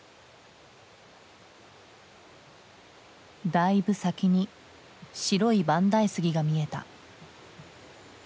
だいぶ先に白い万代杉が見えた。